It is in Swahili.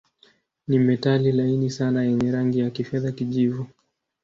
Ni metali laini sana yenye rangi ya kifedha-kijivu.